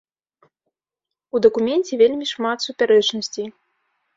У дакуменце вельмі шмат супярэчнасцей!